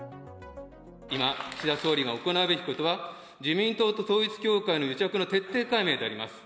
今、岸田総理が行うべきことは、自民党と統一教会の癒着の徹底解明であります。